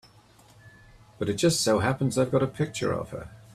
But it just so happens I've got a picture of her.